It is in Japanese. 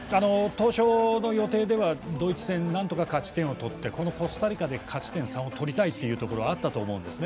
当初の予定では、ドイツ戦なんとか勝ち点を取ってこのコスタリカで勝ち点３を取りたかったと思います。